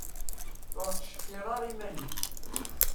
Ur ttcekkir ara iman-ik.